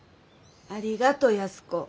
ありがと安子。